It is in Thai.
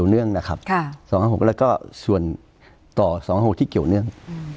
หรือก็ส่วนต่อสองห้าหกที่เกี่ยวเนื่อง